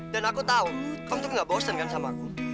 dan aku tahu kamu tuh gak bosen kan sama aku